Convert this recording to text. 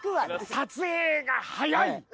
撮影が早い！